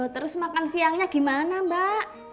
terus makan siangnya gimana mbak